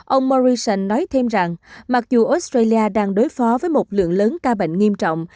ông morrison nói thêm rằng mặc dù australia đang đối phó với một lượng lớn ca bệnh nghiêm trọng